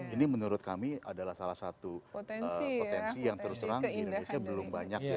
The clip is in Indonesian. ini menurut kami adalah salah satu potensi yang terus terang di indonesia belum banyak ya